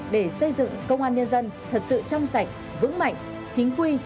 để xây dựng công an nhân dân thật sự trong sạch vững mạnh chính quy